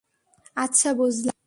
আচ্ছা, বুঝলাম!